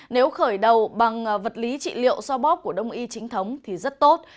nếu khởi đầu bằng vật lý trị liệu so bóp của đông y chính thống thì rất tốt